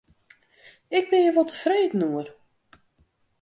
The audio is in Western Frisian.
Ik bin hjir wol tefreden oer.